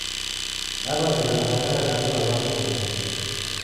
Daw'iazighana habari ra luma lwa penyu.